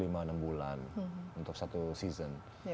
satu bulan untuk satu season